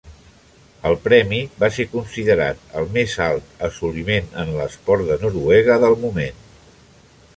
El premi va ser considerat el més alt assoliment en l'esport de Noruega del moment.